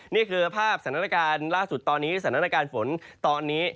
นี่คือสถานการณ์ล่าสุดตอนนี้